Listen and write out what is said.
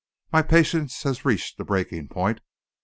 My patience has reached its breaking point.